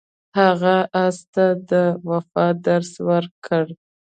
هغه اس ته د وفا درس ورکړ.